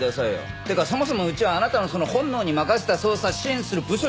ってかそもそもうちはあなたのその本能に任せた捜査を支援する部署じゃないんだから！